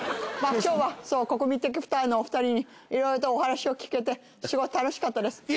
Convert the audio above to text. まぁ今日は国民的スターのお二人にいろいろとお話を聞けてすごい楽しかったです。